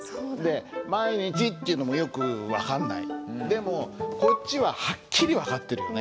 「まいにち」っていうのもよく分かんないでもこっちはハッキリ分かってるよね。